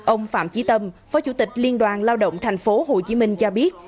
ông phạm trí tâm phó chủ tịch liên đoàn lao động tp hcm cho biết